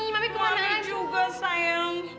mami kemana aja mami juga sayang